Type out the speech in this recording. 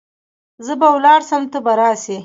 زه به ولاړ سم ته به راسي .